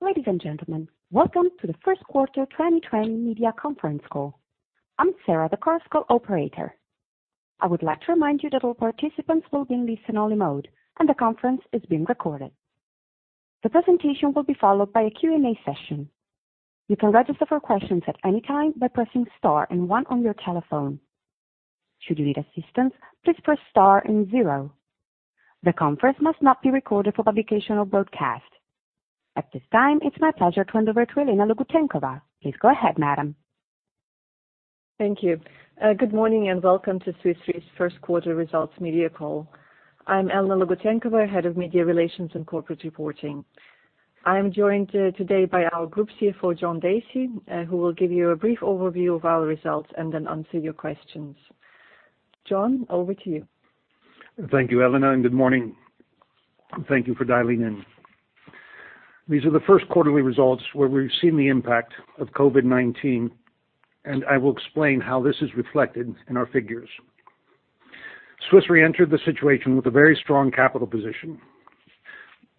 Ladies and gentlemen, welcome to the first quarter 2020 media conference call. I'm Sarah, the conference call operator. I would like to remind you that all participants will be in listen-only mode, and the conference is being recorded. The presentation will be followed by a Q&A session. You can register for questions at any time by pressing star and one on your telephone. Should you need assistance, please press star and zero. The conference must not be recorded for publication or broadcast. At this time, it's my pleasure to hand over to Elena Logutenkova. Please go ahead, madam. Thank you. Good morning and welcome to Swiss Re's first quarter results media call. I'm Elena Logutenkova, Head of Media Relations & Corporate Communications. I am joined today by our Group CFO, John Dacey, who will give you a brief overview of our results and then answer your questions. John, over to you. Thank you, Elena, and good morning. Thank you for dialing in. These are the first quarterly results where we've seen the impact of COVID-19, and I will explain how this is reflected in our figures. Swiss Re entered the situation with a very strong capital position.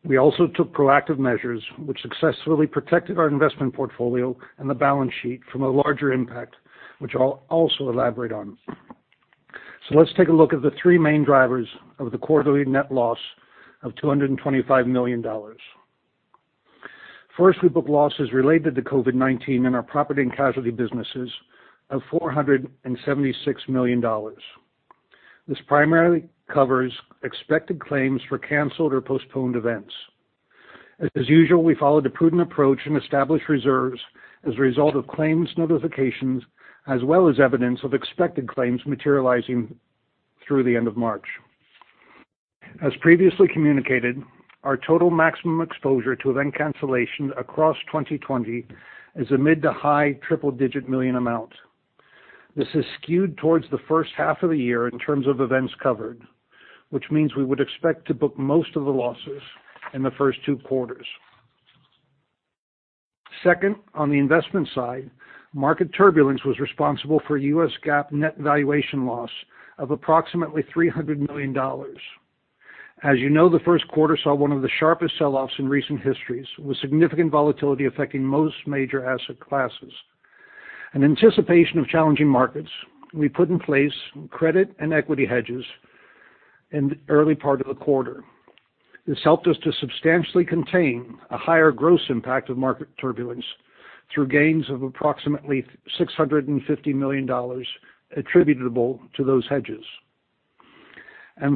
We also took proactive measures which successfully protected our investment portfolio and the balance sheet from a larger impact, which I'll also elaborate on. Let's take a look at the three main drivers of the quarterly net loss of $225 million. First, we book losses related to COVID-19 in our property and casualty businesses of $476 million. This primarily covers expected claims for canceled or postponed events. As usual, we followed a prudent approach and established reserves as a result of claims notifications, as well as evidence of expected claims materializing through the end of March. As previously communicated, our total maximum exposure to event cancellation across 2020 is a mid to high triple-digit million amount. This is skewed towards the first half of the year in terms of events covered, which means we would expect to book most of the losses in the first two quarters. Second, on the investment side, market turbulence was responsible for a U.S. GAAP net valuation loss of approximately $300 million. As you know, the first quarter saw one of the sharpest sell-offs in recent history, with significant volatility affecting most major asset classes. In anticipation of challenging markets, we put in place credit and equity hedges in the early part of the quarter. This helped us to substantially contain a higher gross impact of market turbulence through gains of approximately $650 million attributable to those hedges.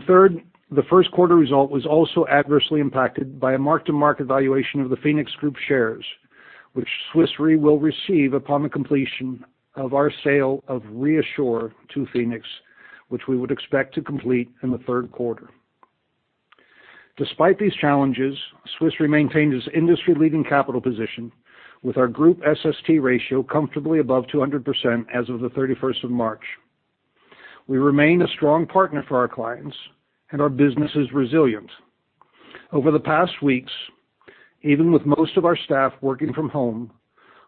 Third, the first quarter result was also adversely impacted by a mark-to-market valuation of the Phoenix Group shares, which Swiss Re will receive upon the completion of our sale of ReAssure to Phoenix, which we would expect to complete in the third quarter. Despite these challenges, Swiss Re maintains its industry-leading capital position with our group SST ratio comfortably above 200% as of the 31st of March. We remain a strong partner for our clients, and our business is resilient. Over the past weeks, even with most of our staff working from home,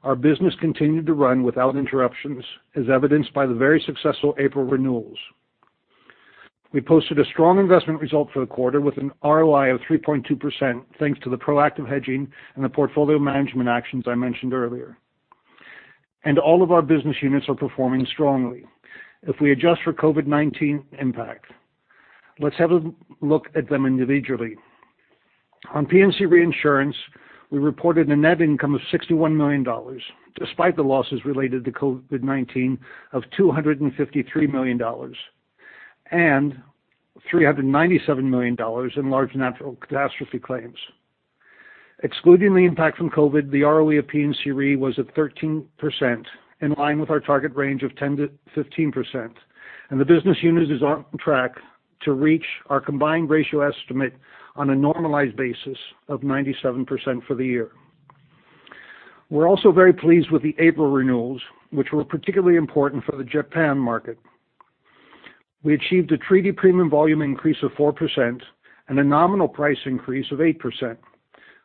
our business continued to run without interruptions, as evidenced by the very successful April renewals. We posted a strong investment result for the quarter with an ROI of 3.2%, thanks to the proactive hedging and the portfolio management actions I mentioned earlier. All of our business units are performing strongly if we adjust for COVID-19 impact. Let's have a look at them individually. On P&C Reinsurance, we reported a net income of $61 million, despite the losses related to COVID-19 of $253 million and $397 million in large natural catastrophe claims. Excluding the impact from COVID, the ROE of P&C Re was at 13%, in line with our target range of 10%-15%, and the business unit is on track to reach our combined ratio estimate on a normalized basis of 97% for the year. We're also very pleased with the April renewals, which were particularly important for the Japan market. We achieved a treaty premium volume increase of 4% and a nominal price increase of 8%,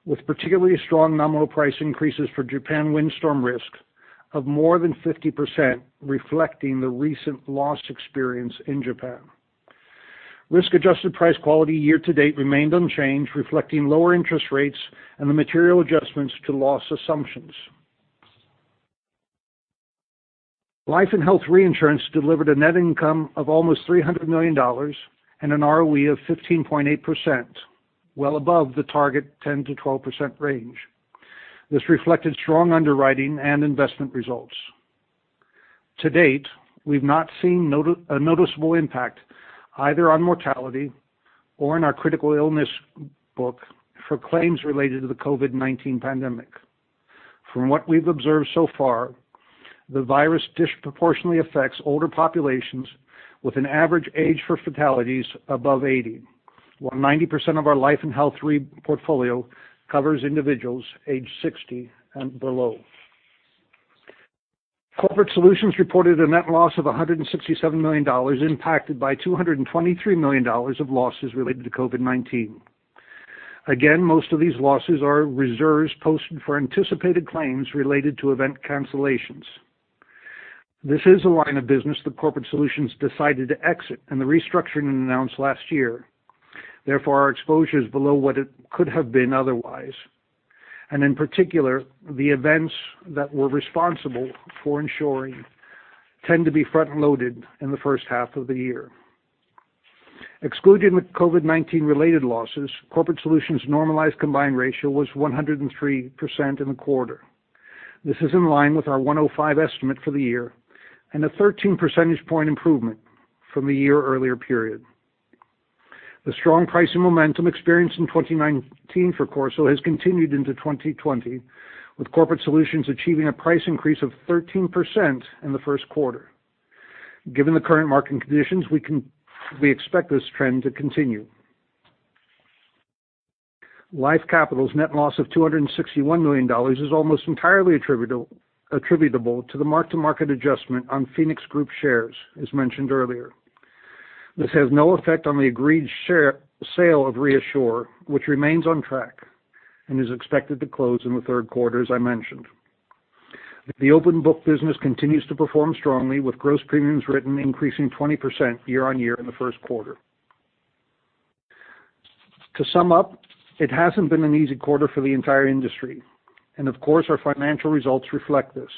with particularly strong nominal price increases for Japan windstorm risk of more than 50%, reflecting the recent loss experience in Japan. Risk-adjusted price quality year to date remained unchanged, reflecting lower interest rates and the material adjustments to loss assumptions. Life & Health Reinsurance delivered a net income of almost $300 million and an ROE of 15.8%, well above the target 10%-12% range. This reflected strong underwriting and investment results. To date, we've not seen a noticeable impact either on mortality or in our critical illness book for claims related to the COVID-19 pandemic. From what we've observed so far, the virus disproportionately affects older populations with an average age for fatalities above 80, while 90% of our Life & Health Re portfolio covers individuals aged 60 and below. Corporate Solutions reported a net loss of $167 million, impacted by $223 million of losses related to COVID-19. Again, most of these losses are reserves posted for anticipated claims related to event cancellations. This is a line of business that Corporate Solutions decided to exit in the restructuring it announced last year. Therefore, our exposure is below what it could have been otherwise. In particular, the events that we're responsible for ensuring tend to be front-loaded in the first half of the year. Excluding the COVID-19 related losses, Corporate Solutions' normalized combined ratio was 103% in the quarter. This is in line with our 105 estimate for the year and a 13 percentage point improvement from the year earlier period. The strong pricing momentum experienced in 2019 for CorSo has continued into 2020, with Corporate Solutions achieving a price increase of 13% in the first quarter. Given the current market conditions, we expect this trend to continue. Life Capital's net loss of $261 million is almost entirely attributable to the mark-to-market adjustment on Phoenix Group shares, as mentioned earlier. This has no effect on the agreed sale of ReAssure, which remains on track and is expected to close in the third quarter, as I mentioned. The open book business continues to perform strongly, with gross premiums written increasing 20% year-on-year in the first quarter. To sum up, it hasn't been an easy quarter for the entire industry, and of course, our financial results reflect this.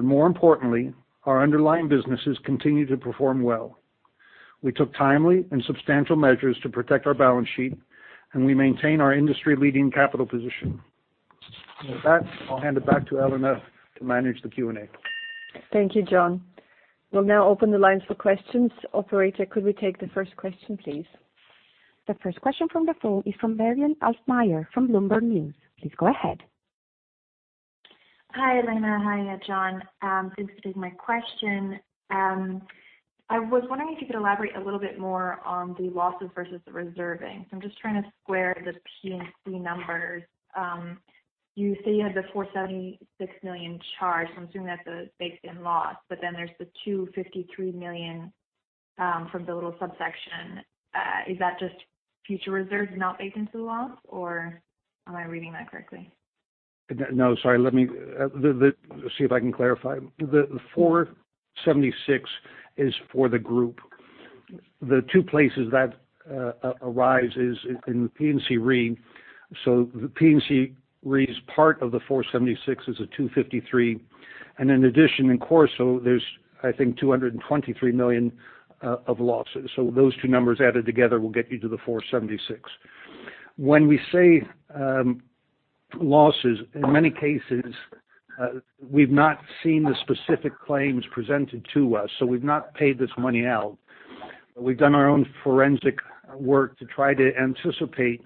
More importantly, our underlying businesses continue to perform well. We took timely and substantial measures to protect our balance sheet, and we maintain our industry-leading capital position. With that, I'll hand it back to Elena to manage the Q&A. Thank you, John. We'll now open the lines for questions. Operator, could we take the first question, please? The first question from the phone is from Marion Halftermeyer from Bloomberg News. Please go ahead. Hi, Elena. Hi, John. Thanks for taking my question. I was wondering if you could elaborate a little bit more on the losses versus the reserving. I'm just trying to square the P&C numbers. You say you had the $476 million charge, so I'm assuming that's based in loss, but then there's the $253 million from the little subsection. Is that just future reserves not baked into the loss, or am I reading that correctly? No, sorry. Let me see if I can clarify. The $476 is for the group. The two places that arise is in the P&C Re. The P&C Re is part of the $476 is a $253, and in addition, in CorSo, there's I think $223 million of losses. Those two numbers added together will get you to the $476. When we say losses, in many cases, we've not seen the specific claims presented to us, so we've not paid this money out. We've done our own forensic work to try to anticipate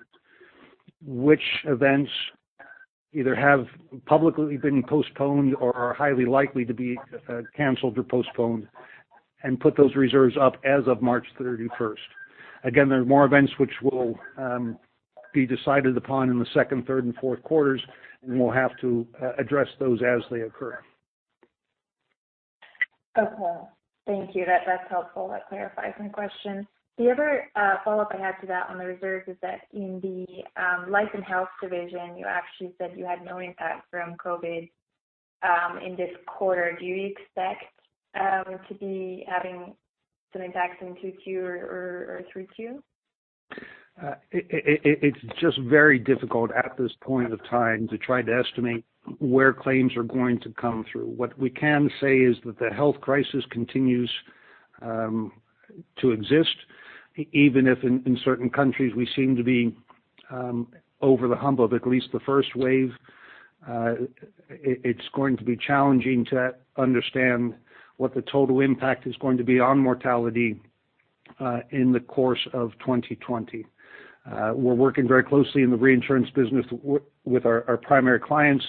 which events either have publicly been postponed or are highly likely to be canceled or postponed and put those reserves up as of March 31st. Again, there are more events which will be decided upon in the second, third, and fourth quarters, and we'll have to address those as they occur. Okay. Thank you. That's helpful. That clarifies my question. The other follow-up I had to that on the reserves is that in the Life & Health division, you actually said you had no impact from COVID in this quarter. Do you expect to be having some impacts in Q2 or Q3? It's just very difficult at this point of time to try to estimate where claims are going to come through. What we can say is that the health crisis continues to exist, even if in certain countries we seem to be over the hump of at least the first wave. It's going to be challenging to understand what the total impact is going to be on mortality in the course of 2020. We're working very closely in the reinsurance business with our primary clients.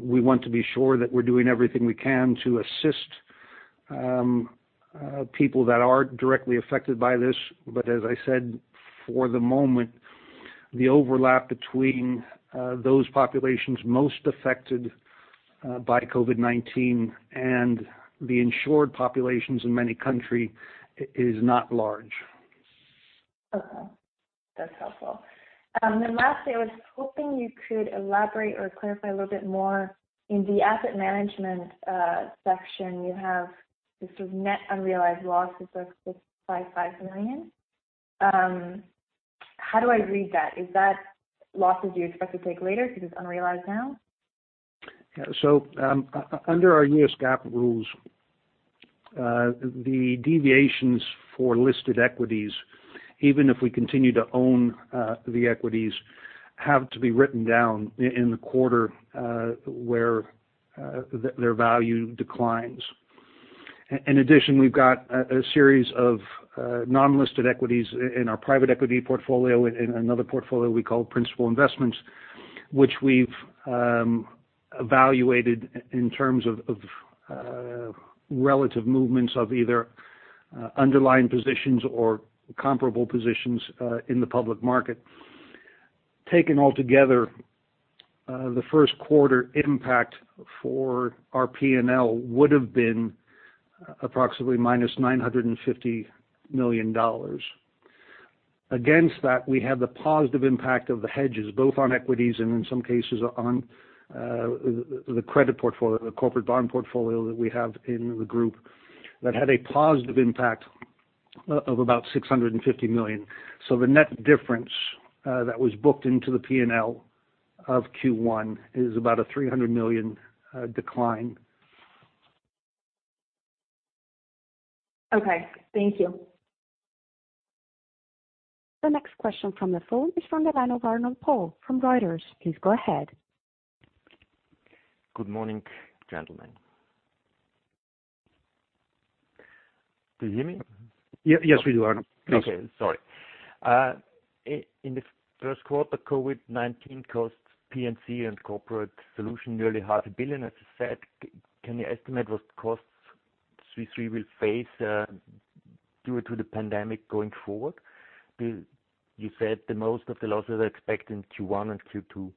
We want to be sure that we're doing everything we can to assist people that are directly affected by this. As I said, for the moment, the overlap between those populations most affected by COVID-19 and the insured populations in many country is not large. Okay. That's helpful. Lastly, I was hoping you could elaborate or clarify a little bit more. In the asset management section you have this net unrealized losses of $5.5 billion. How do I read that? Is that losses you expect to take later because it's unrealized now? Under our U.S. GAAP rules, the deviations for listed equities, even if we continue to own the equities, have to be written down in the quarter where their value declines. In addition, we've got a series of non-listed equities in our private equity portfolio in another portfolio we call principal investments, which we've evaluated in terms of relative movements of either underlying positions or comparable positions in the public market. Taken altogether, the first quarter impact for our P&L would have been approximately -$950 million. Against that, we had the positive impact of the hedges, both on equities and in some cases on the credit portfolio, the corporate bond portfolio that we have in the group that had a positive impact of about $650 million. The net difference that was booked into the P&L of Q1 is about a $300 million decline. Okay. Thank you. The next question from the phone is from the line of Paul Arnold from Reuters. Please go ahead. Good morning, gentlemen. Do you hear me? Yes, we do, Arnold. Please. Okay. Sorry. In the first quarter, COVID-19 cost P&C and Corporate Solutions nearly half a billion, as you said. Can you estimate what costs Swiss Re will face due to the pandemic going forward? You said that most of the losses are expected in Q1 and Q2.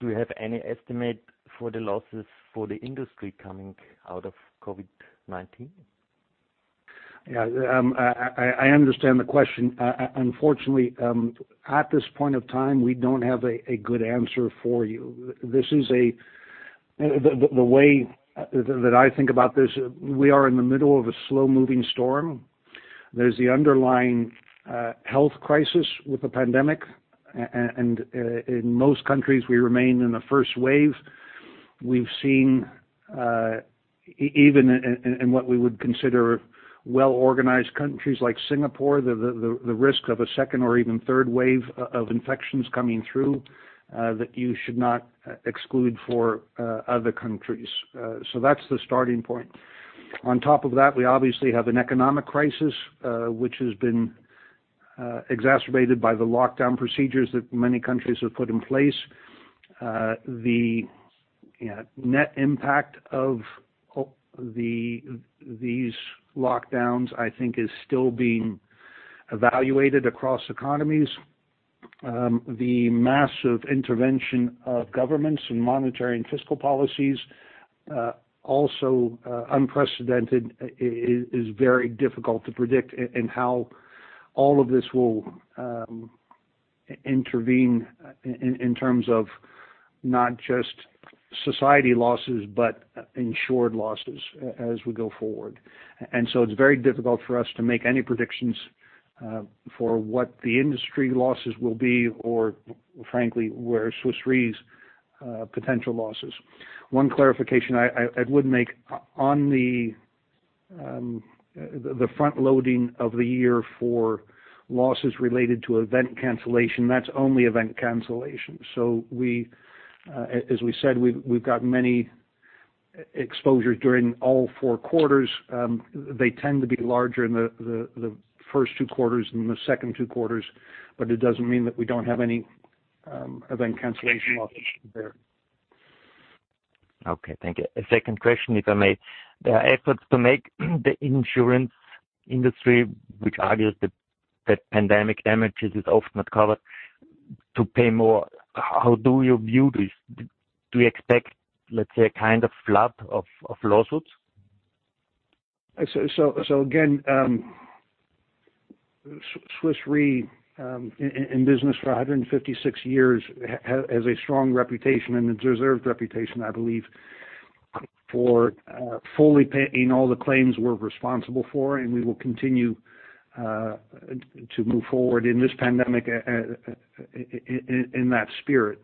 Do you have any estimate for the losses for the industry coming out of COVID-19? Yeah. I understand the question. Unfortunately, at this point of time, we don't have a good answer for you. The way that I think about this, we are in the middle of a slow-moving storm. There's the underlying health crisis with the pandemic, and in most countries we remain in the first wave. We've seen even in what we would consider well-organized countries like Singapore, the risk of a second or even third wave of infections coming through, that you should not exclude for other countries. That's the starting point. On top of that, we obviously have an economic crisis, which has been exacerbated by the lockdown procedures that many countries have put in place. The net impact of these lockdowns, I think is still being evaluated across economies. The massive intervention of governments and monetary and fiscal policies, also unprecedented, is very difficult to predict in how all of this will intervene in terms of not just society losses, but insured losses as we go forward. It's very difficult for us to make any predictions for what the industry losses will be, or frankly, where Swiss Re's potential losses. One clarification I would make on the front loading of the year for losses related to event cancellation, that's only event cancellation. As we said, we've got many exposures during all four quarters. They tend to be larger in the first two quarters than the second two quarters, but it doesn't mean that we don't have any event cancellation losses there. Okay, thank you. A second question, if I may. There are efforts to make the insurance industry, which argues that pandemic damages is often not covered to pay more. How do you view this? Do you expect, let's say, a kind of flood of lawsuits? Again, Swiss Re in business for 156 years, has a strong reputation, and a deserved reputation, I believe, for fully paying all the claims we're responsible for, and we will continue to move forward in this pandemic in that spirit.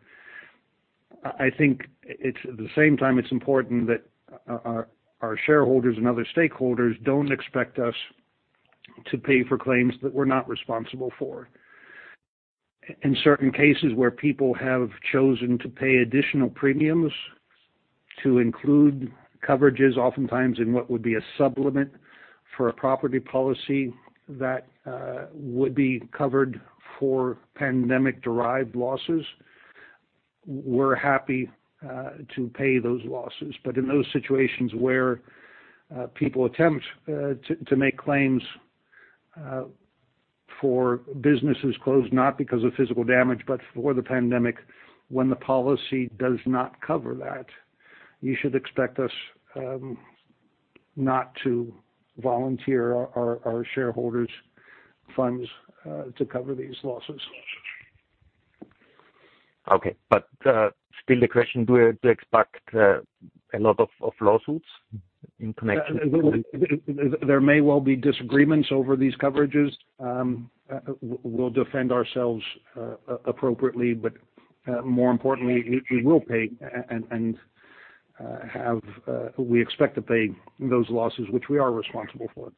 I think at the same time, it's important that our shareholders and other stakeholders don't expect us to pay for claims that we're not responsible for. In certain cases where people have chosen to pay additional premiums to include coverages, oftentimes in what would be a supplement for a property policy that would be covered for pandemic-derived losses, we're happy to pay those losses. In those situations where people attempt to make claims for businesses closed, not because of physical damage, but for the pandemic when the policy does not cover that, you should expect us not to volunteer our shareholders' funds to cover these losses. Okay. Still the question, do you expect a lot of lawsuits in connection to this? There may well be disagreements over these coverages. We'll defend ourselves appropriately, but more importantly, we will pay, and we expect to pay those losses which we are responsible for.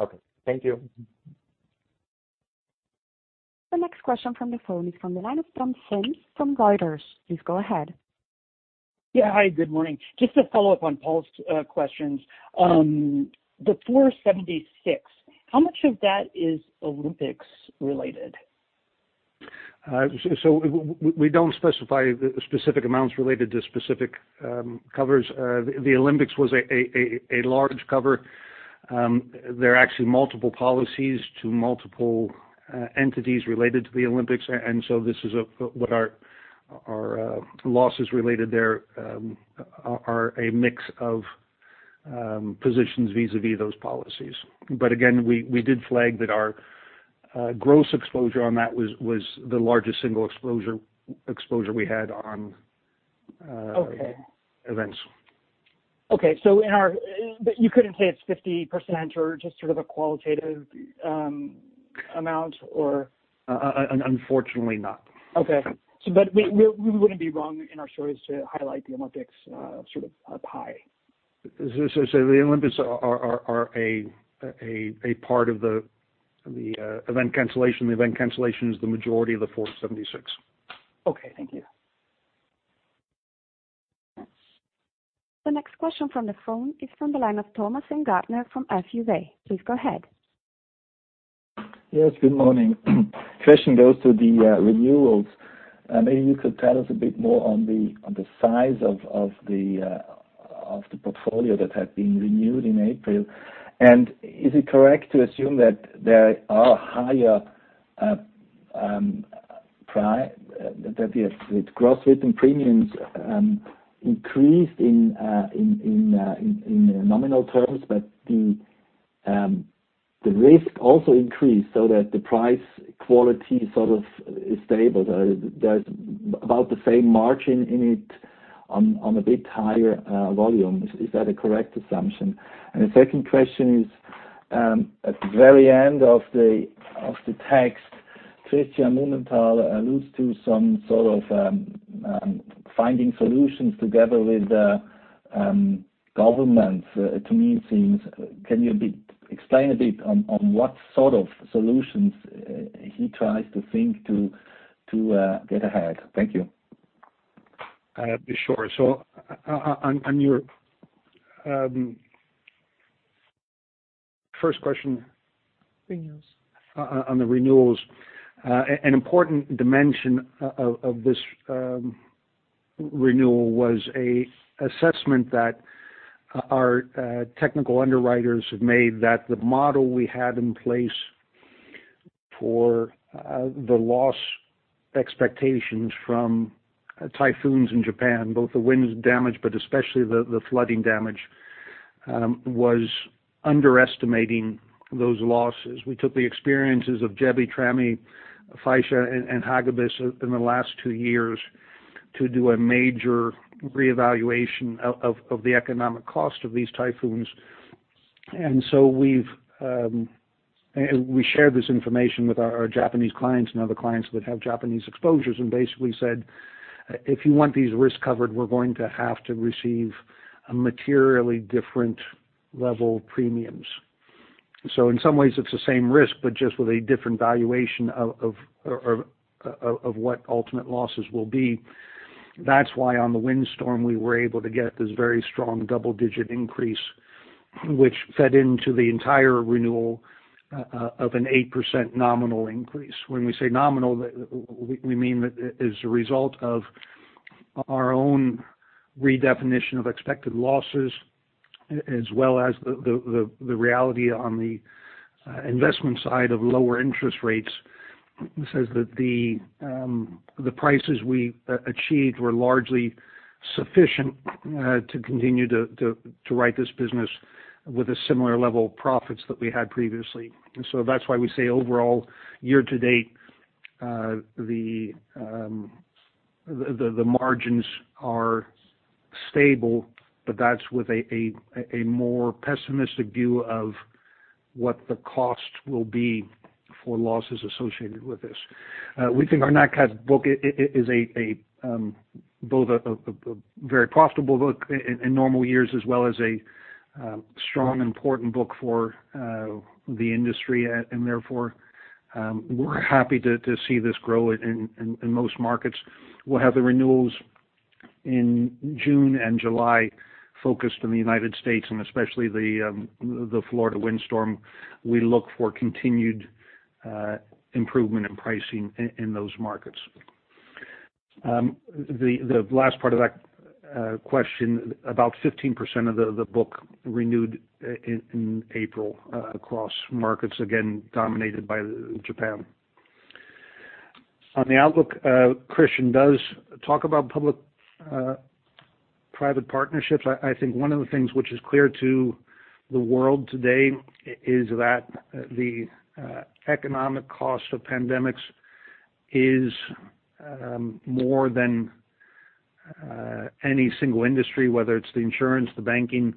Okay. Thank you. The next question from the phone is from the line of Tom Sims from Reuters. Please go ahead. Yeah. Hi, good morning. Just to follow up on Paul's questions. The $476, how much of that is Olympics related? We don't specify the specific amounts related to specific covers. The Olympics was a large cover. There are actually multiple policies to multiple entities related to the Olympics, this is what our losses related there are a mix of positions vis-a-vis those policies. Again, we did flag that our gross exposure on that was the largest single exposure we had on events. Okay. You couldn't say it's 50% or just sort of a qualitative amount or? Unfortunately not. Okay. We wouldn't be wrong in our choice to highlight the Olympics sort of up high. Say the Olympics are a part of the event cancellation. The event cancellation is the majority of the $476. Okay, thank you. The next question from the phone is from the line of Thomas Ingartner from FuW. Please go ahead. Yes, good morning. Question goes to the renewals. Maybe you could tell us a bit more on the size of the portfolio that had been renewed in April. Is it correct to assume that the gross written premiums increased in nominal terms, but the risk also increased so that the price quality sort of is stable? There's about the same margin in it on a bit higher volume. Is that a correct assumption? The second question is, at the very end of the text, Christian Mumenthaler alludes to some sort of finding solutions together with governments, to me it seems. Can you explain a bit on what sort of solutions he tries to think to get ahead? Thank you. Sure. On your first question. Renewals on the renewals. An important dimension of this renewal was an assessment that our technical underwriters have made that the model we had in place for the loss expectations from typhoons in Japan, both the wind damage, but especially the flooding damage, was underestimating those losses. We took the experiences of Jebi, Trami, Faxai, and Hagibis in the last two years to do a major reevaluation of the economic cost of these typhoons. We shared this information with our Japanese clients and other clients that have Japanese exposures and basically said, "If you want these risks covered, we're going to have to receive a materially different level of premiums." In some ways it's the same risk, but just with a different valuation of what ultimate losses will be. On the windstorm, we were able to get this very strong double-digit increase, which fed into the entire renewal of an 8% nominal increase. When we say nominal, we mean that is a result of our own redefinition of expected losses, as well as the reality on the investment side of lower interest rates, such that the prices we achieved were largely sufficient to continue to write this business with a similar level of profits that we had previously. Overall, year to date, the margins are stable, but that's with a more pessimistic view of what the cost will be for losses associated with this. We think our Nat cat book is both a very profitable book in normal years as well as a strong, important book for the industry. We're happy to see this grow in most markets. We'll have the renewals in June and July focused in the United States, and especially the Florida windstorm. We look for continued improvement in pricing in those markets. The last part of that question, about 15% of the book renewed in April across markets, again, dominated by Japan. On the outlook, Christian does talk about public-private partnerships. I think one of the things which is clear to the world today is that the economic cost of pandemics is more than any single industry, whether it's the insurance, the banking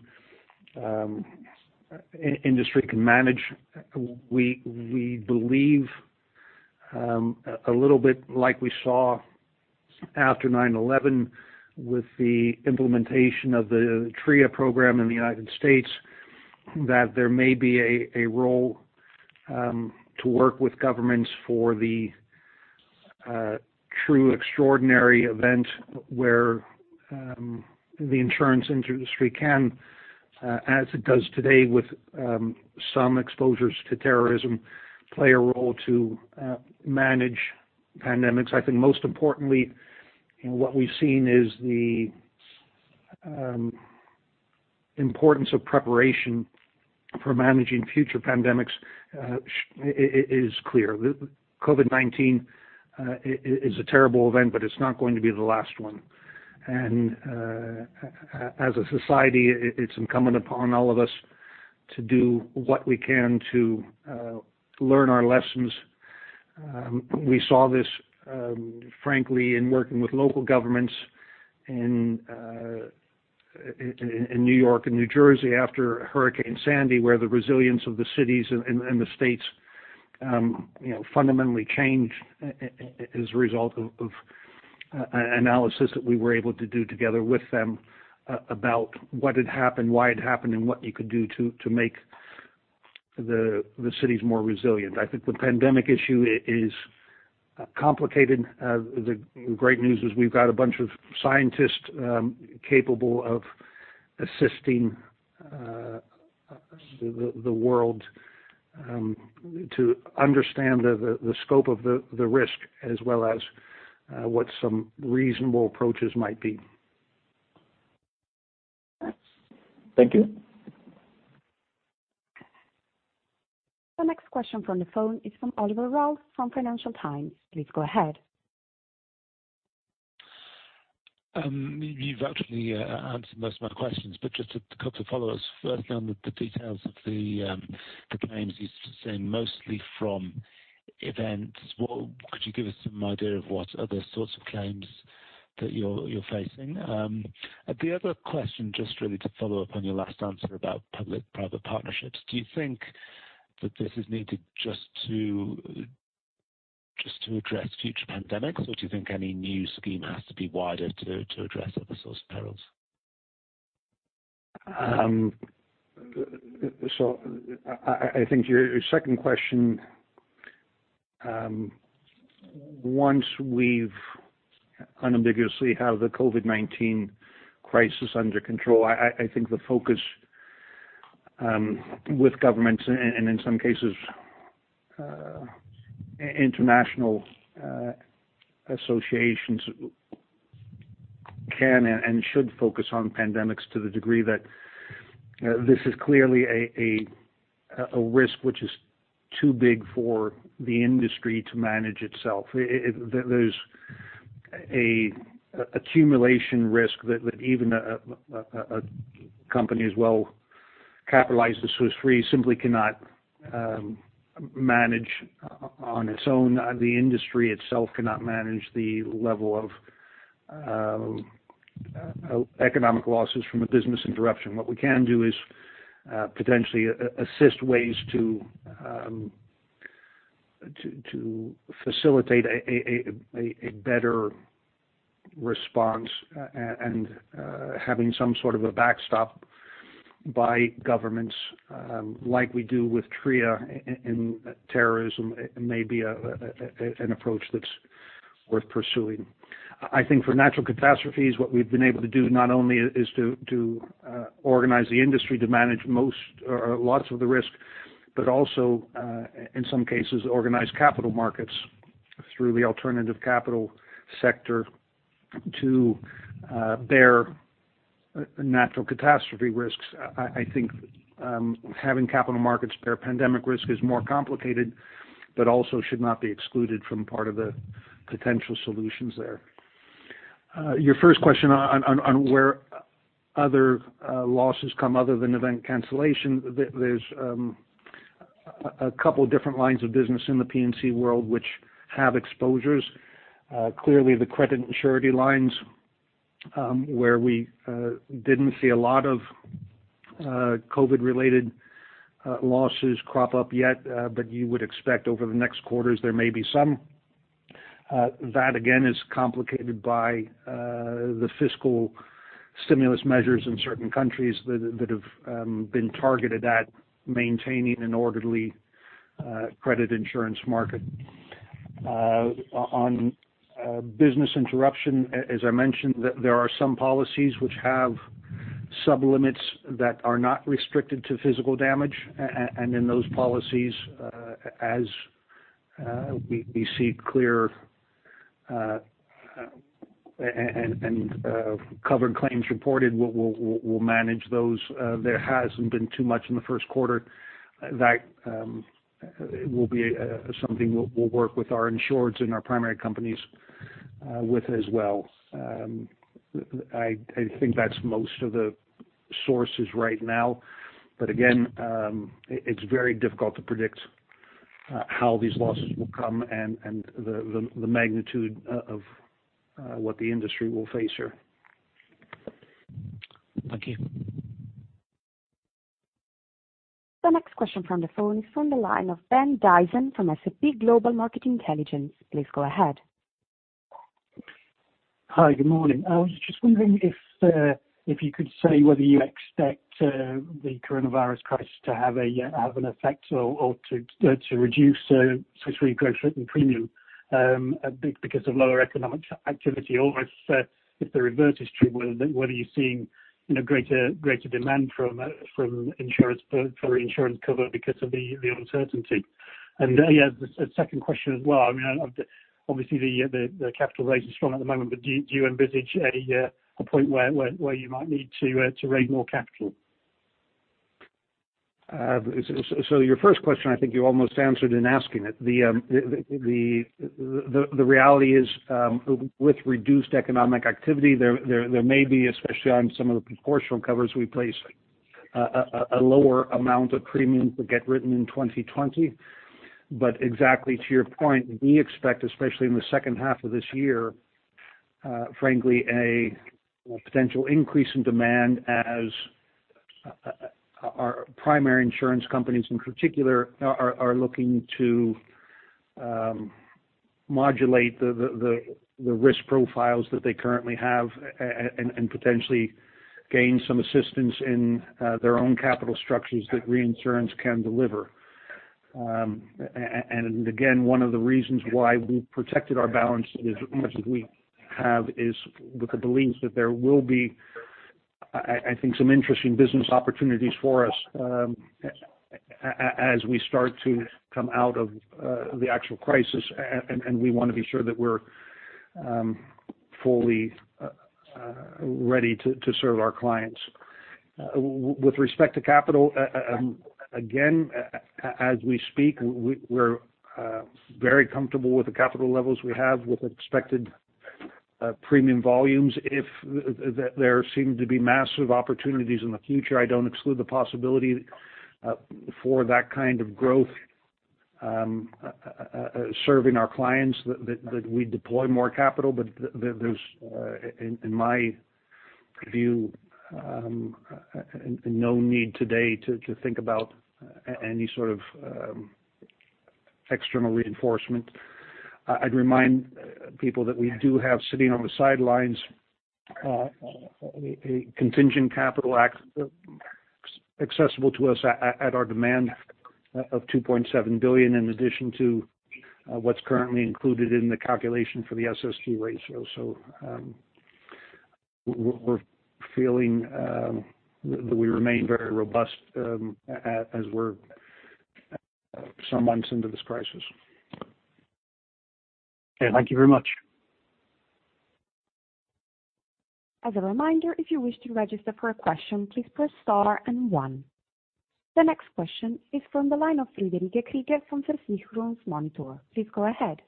industry can manage. We believe a little bit like we saw after 9/11 with the implementation of the TRIA program in the United States, that there may be a role to work with governments for the true extraordinary event where the insurance industry can, as it does today with some exposures to terrorism, play a role to manage pandemics. I think most importantly, what we've seen is the importance of preparation for managing future pandemics is clear. COVID-19 is a terrible event, but it's not going to be the last one. As a society, it's incumbent upon all of us to do what we can to learn our lessons. We saw this frankly in working with local governments in New York and New Jersey after Hurricane Sandy, where the resilience of the cities and the states fundamentally changed as a result of analysis that we were able to do together with them about what had happened, why it happened, and what you could do to make the cities more resilient. I think the pandemic issue is complicated. The great news is we've got a bunch of scientists capable of assisting the world to understand the scope of the risk as well as what some reasonable approaches might be. Thanks. Thank you. The next question from the phone is from Oliver Ralph from Financial Times. Please go ahead. You've actually answered most of my questions, but just a couple of follow-ups. First on the details of the claims you said mostly from events. Could you give us some idea of what other sorts of claims that you're facing? The other question, just really to follow up on your last answer about public-private partnerships, do you think that this is needed just to address future pandemics, or do you think any new scheme has to be wider to address other sorts of perils? I think your second question, once we've unambiguously have the COVID-19 crisis under control, I think the focus with governments and in some cases, international associations can and should focus on pandemics to the degree that this is clearly a risk which is too big for the industry to manage itself. There's an accumulation risk that even a company as well capitalized as Swiss Re simply cannot manage on its own. The industry itself cannot manage the level of economic losses from a business interruption. What we can do is potentially assist ways to facilitate a better response and having some sort of a backstop by governments like we do with TRIA in terrorism may be an approach that's worth pursuing. I think for natural catastrophes, what we've been able to do not only is to organize the industry to manage most or lots of the risk, but also in some cases, organize capital markets through the alternative capital sector to bear natural catastrophe risks. I think having capital markets bear pandemic risk is more complicated, but also should not be excluded from part of the potential solutions there. Your first question on where other losses come other than event cancellation, there's a couple different lines of business in the P&C which have exposures. Clearly, the credit and surety where we didn't see a lot of COVID-19 related losses crop up yet. You would expect over the next quarters there may be some. That again is complicated by the fiscal stimulus measures in certain countries that have been targeted at maintaining an orderly credit insurance market. On business interruption, as I mentioned, there are some policies which have sub-limits that are not restricted to physical damage. In those policies, as we see clear and covered claims reported, we'll manage those. There hasn't been too much in the first quarter. That will be something we'll work with our insureds and our primary companies with as well. I think that's most of the sources right now. Again, it's very difficult to predict how these losses will come and the magnitude of what the industry will face here. Thank you. The next question from the phone is from the line of Ben Dyson from S&P Global Market Intelligence. Please go ahead. Hi. Good morning. I was just wondering if you could say whether you expect the coronavirus crisis to have an effect or to reduce Swiss Re growth rate and premium because of lower economic activity. If the reverse is true, whether you're seeing greater demand for insurance cover because of the uncertainty. A second question as well. Obviously, the capital raise is strong at the moment, but do you envisage a point where you might need to raise more capital? Your first question, I think you almost answered in asking it. The reality is, with reduced economic activity, there may be, especially on some of the proportional covers we place, a lower amount of premiums that get written in 2020. Exactly to your point, we expect, especially in the second half of this year, frankly, a potential increase in demand as our primary insurance companies in particular are looking to modulate the risk profiles that they currently have and potentially gain some assistance in their own capital structures that reinsurance can deliver. Again, one of the reasons why we've protected our balance as much as we have is with the belief that there will be some interesting business opportunities for us as we start to come out of the actual crisis, and we want to be sure that we're fully ready to serve our clients. With respect to capital, again, as we speak, we're very comfortable with the capital levels we have with expected premium volumes. If there seem to be massive opportunities in the future, I don't exclude the possibility for that kind of growth serving our clients that we deploy more capital. There's, in my view, no need today to think about any sort of external reinforcement. I'd remind people that we do have sitting on the sidelines a contingent capital facility accessible to us at our demand of $2.7 billion in addition to what's currently included in the calculation for the SST ratio. We're feeling that we remain very robust as we're some months into this crisis. Thank you very much. As a reminder, if you wish to register for a question, please press star and one. The next question is from the line of Friederike Krieger from Versicherungsmonitor. Please go ahead.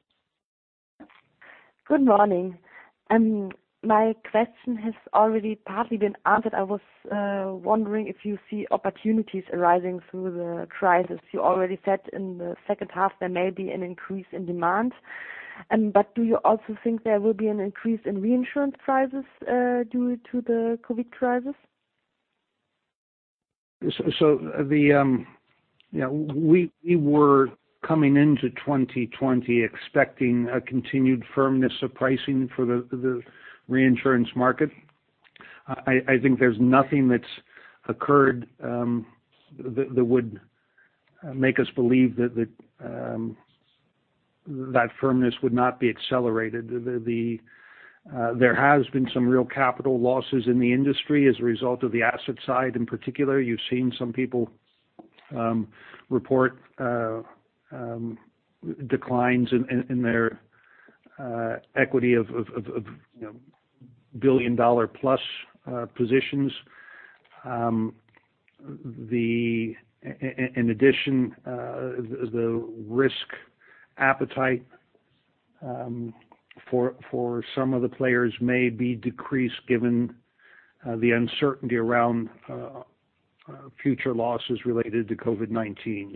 Good morning. My question has already partly been answered. I was wondering if you see opportunities arising through the crisis. You already said in the second half there may be an increase in demand. Do you also think there will be an increase in reinsurance prices due to the COVID crisis? We were coming into 2020 expecting a continued firmness of pricing for the reinsurance market. I think there's nothing that's occurred that would make us believe that that firmness would not be accelerated. There has been some real capital losses in the industry as a result of the asset side. In particular, you've seen some people report declines in their equity of billion-dollar plus positions. In addition, the risk appetite for some of the players may be decreased given the uncertainty around future losses related to COVID-19.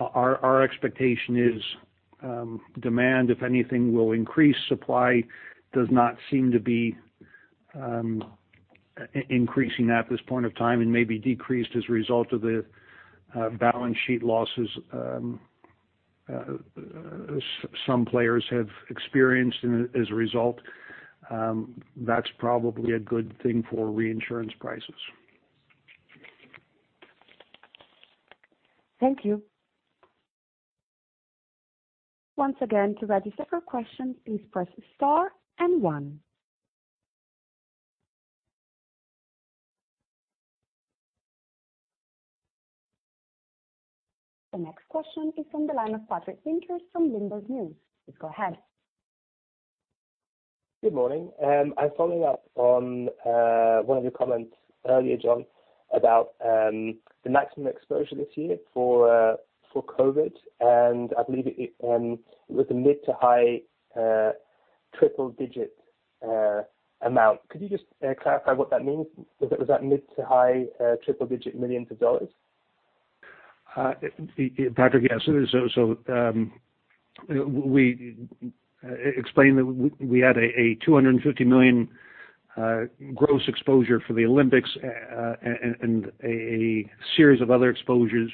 Our expectation is demand, if anything, will increase. Supply does not seem to be increasing at this point of time and may be decreased as a result of the balance sheet losses some players have experienced. As a result, that's probably a good thing for reinsurance prices. Thank you. Once again, to register for a question, please press star and one. The next question is from the line of Patrick Winters from Bloomberg News. Please go ahead. Good morning. I'm following up on one of your comments earlier, John, about the maximum exposure this year for COVID-19, and I believe it was a mid to high triple digit amount. Could you just clarify what that means? Was that mid to high triple digit million dollar? Patrick, yes. We explained that we had a $250 million gross exposure for the Olympics and a series of other exposures.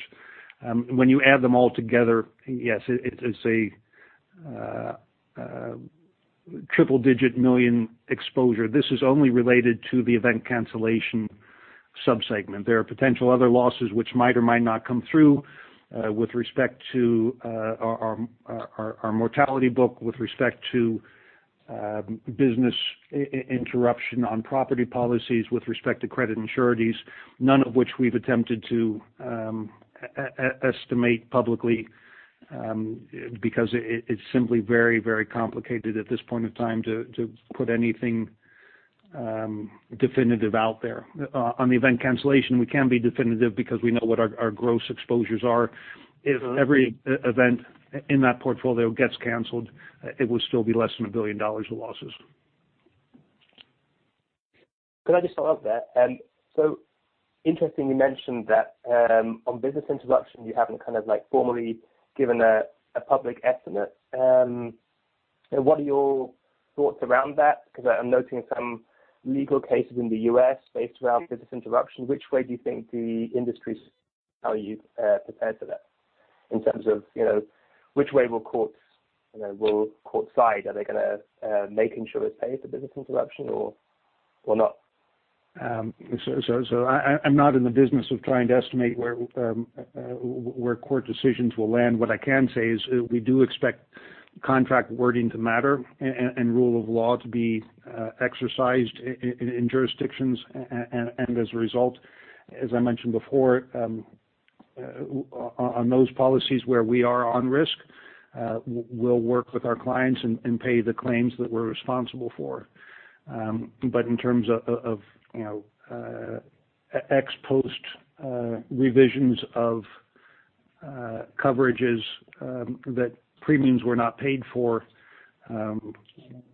When you add them all together, yes, it's a triple digit million exposure. This is only related to the event cancellation sub-segment. There are potential other losses which might or might not come through with respect to our mortality book, with respect to business interruption on property policies, with respect to credit and surety, none of which we've attempted to estimate publicly, because it's simply very, very complicated at this point of time to put anything definitive out there. On the event cancellation, we can be definitive because we know what our gross exposures are. If every event in that portfolio gets canceled, it would still be less than $1 billion of losses. Could I just follow up there? Interesting you mentioned that on business interruption, you haven't formally given a public estimate. What are your thoughts around that? Because I'm noting some legal cases in the U.S. based around business interruption. Which way do you think the industry's-- are you prepared for that in terms of which way will courts side? Are they going to make insurers pay for business interruption or not? I'm not in the business of trying to estimate where court decisions will land. What I can say is we do expect contract wording to matter and rule of law to be exercised in jurisdictions. As a result, as I mentioned before, on those policies where we are on risk, we'll work with our clients and pay the claims that we're responsible for. In terms of ex post revisions of coverages that premiums were not paid for,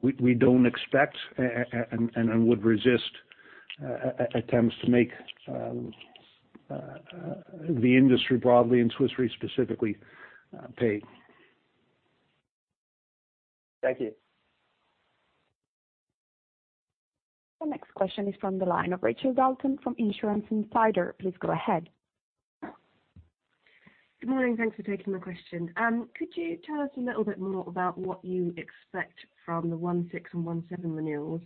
we don't expect and would resist attempts to make the industry broadly and Swiss Re specifically pay. Thank you. The next question is from the line of Rachel Dalton from Insurance Insider. Please go ahead. Good morning. Thanks for taking my question. Could you tell us a little bit more about what you expect from the 1/6 and 1/7 renewals?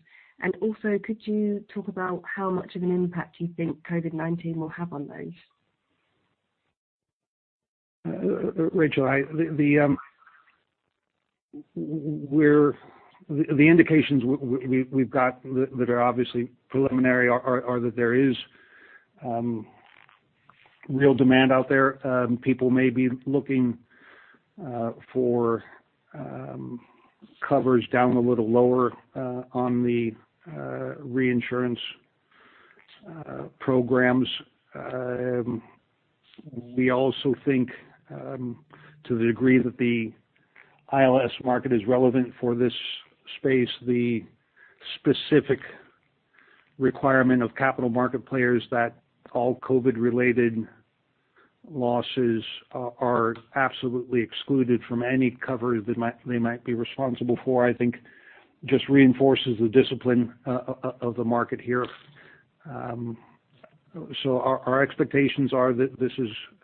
Also, could you talk about how much of an impact you think COVID-19 will have on those? Rachel, the indications we've got that are obviously preliminary are that there is real demand out there. People may be looking for covers down a little lower on the reinsurance programs. We also think, to the degree that the ILS market is relevant for this space, the specific requirement of capital market players that all COVID related losses are absolutely excluded from any cover they might be responsible for, I think, just reinforces the discipline of the market here. Our expectations are that this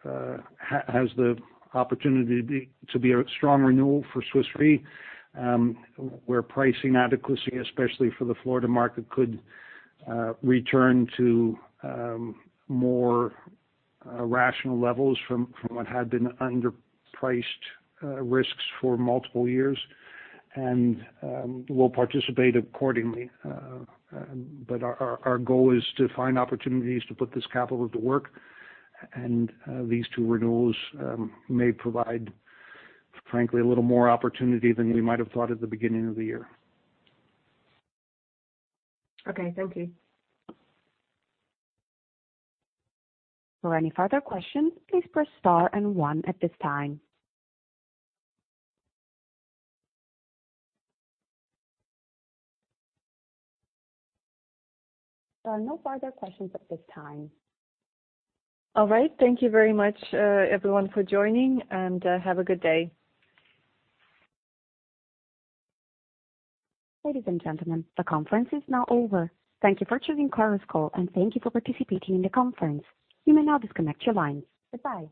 has the opportunity to be a strong renewal for Swiss Re, where pricing adequacy, especially for the Florida market, could return to more rational levels from what had been underpriced risks for multiple years. We'll participate accordingly. Our goal is to find opportunities to put this capital to work. These two renewals may provide, frankly, a little more opportunity than we might have thought at the beginning of the year. Okay. Thank you. For any further questions, please press star and one at this time. There are no further questions at this time. All right. Thank you very much, everyone, for joining, and have a good day. Ladies and gentlemen, the conference is now over. Thank you for choosing Chorus Call, and thank you for participating in the conference. You may now disconnect your lines. Goodbye.